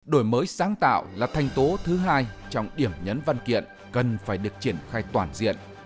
đổi mới sáng tạo là thanh tố thứ hai trong điểm nhấn văn kiện cần phải được triển khai toàn diện